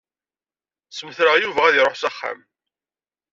Smetreɣ Yuba ad iṛuḥ s axxam.